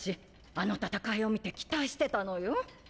あの戦いを見て期待してたのよ。